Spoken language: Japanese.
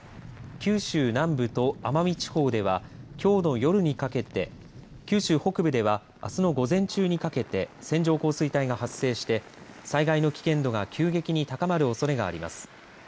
九州南部と奄美地方ではきょうの夜にかけて九州北部ではあすの午前中にかけて線状降水帯が発生して災害の危険度が急激に高まるおそれがあります。